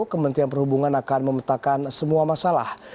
kementerian perhubungan akan memetakan semua masalah